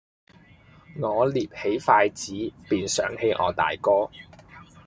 我捏起筷子，便想起我大哥；